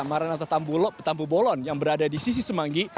maranatha tampu bolon yang berada di sisi semanggi